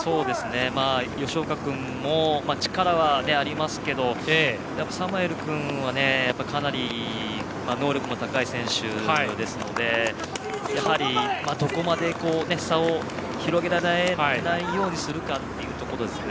吉岡君も力はありますけどサムエル君はかなり能力も高い選手ですのでやはり、どこまで差を広げられないようにするかですね。